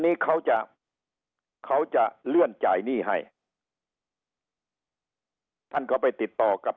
นี้เขาจะเขาจะเลื่อนจ่ายหนี้ให้ท่านก็ไปติดต่อกับ